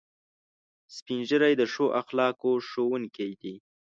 سپین ږیری د ښو اخلاقو ښوونکي دي